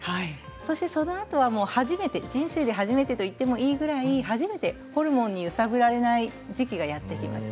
そして、そのあとは初めて、人生で初めてと言ってもいいぐらい初めてホルモンに揺さぶられない時期がやってきます。